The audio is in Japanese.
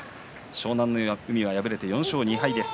湘南乃海は敗れて４勝２敗です。